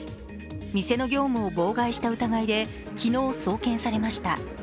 店の業務を妨害した疑いで昨日、送検されました。